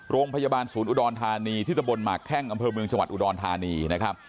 โรงพยาบาลศูนย์อุดรธานีที่ตะบนหมากแข้งอำเภอเมืองจังหวัดอุดรธานีนะครับ